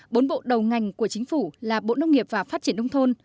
bốn bộ đầu ngành của chính phủ là bộ nông nghiệp và phát triển nông thôn